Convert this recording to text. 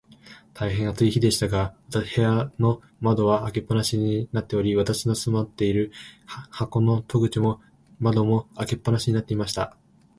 大へん暑い日でしたが、部屋の窓は開け放しになっており、私の住まっている箱の戸口も窓も、開け放しになっていました。